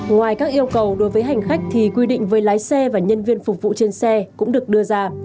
ngoài các yêu cầu đối với hành khách thì quy định với lái xe và nhân viên phục vụ trên xe cũng được đưa ra